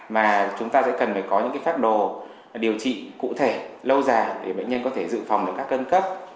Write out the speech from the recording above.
mà chúng ta sẽ cần phải có những pháp đồ điều trị cụ thể lâu dài để bệnh nhân có thể dự phòng được các cân cấp